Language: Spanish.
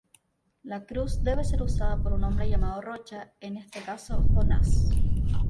La cruz debe ser usada por un hombre llamado "Rocha", en este caso Jonás.